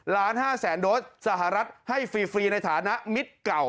ล้าน๕แสนโดสสหรัฐให้ฟรีในฐานะมิตรเก่า